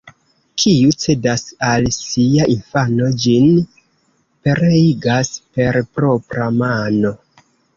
Kiu cedas al sia infano, ĝin pereigas per propra mano.